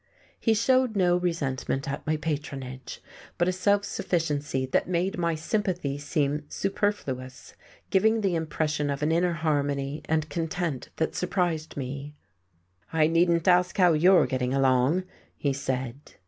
He showed no resentment at my patronage, but a self sufficiency that made my sympathy seem superfluous, giving the impression of an inner harmony and content that surprised me. "I needn't ask how you're getting along," he said....